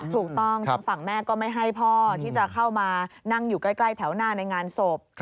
ถูกต้องทางฝั่งแม่ก็ไม่ให้พ่อที่จะเข้ามานั่งอยู่ใกล้แถวหน้าในงานศพ